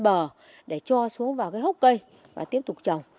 lấy những cái bờ để cho xuống vào cái hốc cây và tiếp tục trồng